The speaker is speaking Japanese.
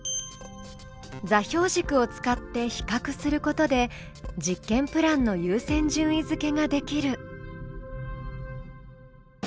座標軸を使って比較することで実験プランの優先順位づけができる。